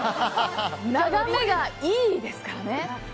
眺めがいいですからね。